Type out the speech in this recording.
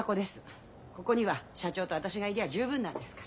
ここには社長と私がいりゃ十分なんですから。